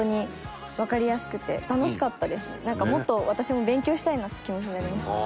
なんかもっと私も勉強したいなって気持ちになりました。